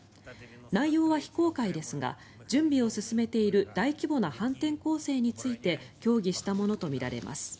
内容は非公開ですが準備を進めている大規模な反転攻勢について協議したものとみられます。